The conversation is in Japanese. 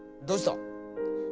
どうした？